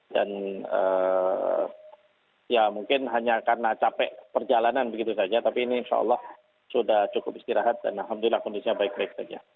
dan ya mungkin hanya karena capek perjalanan begitu saja tapi ini insya allah sudah cukup istirahat dan alhamdulillah kondisinya baik baik saja